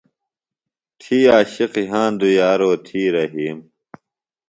تھی عاشق یھاندُوۡ یارو تھی رھِیم۔